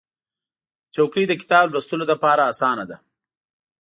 چوکۍ د کتاب لوستلو لپاره اسانه ده.